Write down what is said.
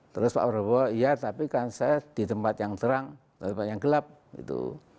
terus pak prabowo iya tapi kan saya di tempat yang terang tempat yang gelap gitu